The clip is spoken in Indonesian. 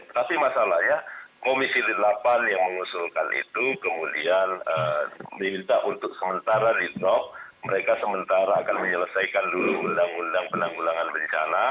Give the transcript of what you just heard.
tapi masalahnya komisi delapan yang mengusulkan itu kemudian minta untuk sementara di drop mereka sementara akan menyelesaikan dulu undang undang penanggulangan bencana